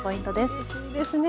うれしいですね！